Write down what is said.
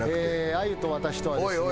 あゆと私とはですねもう。